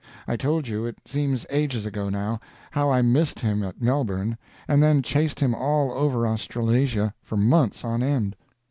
I told you it seems ages ago, now how I missed him at Melbourne, and then chased him all over Australasia for months on end.